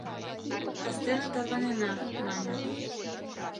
— Кастене тарванена, — мане.